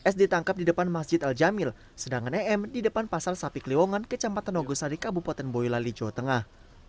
s ditangkap di depan masjid al jamil sedangkan em di depan pasar sapi kliwongan kecamatan ogosari kabupaten boyolali jawa tengah